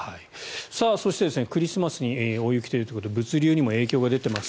そしてクリスマスに大雪ということで物流にも影響が出ています。